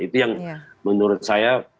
itu yang menurut saya